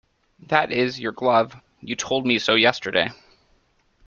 That is your glove; you told me so yesterday.